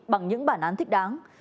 bằng những bản án thích đáng